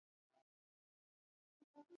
Tutumie nguvu yetu kwa kufanya kaji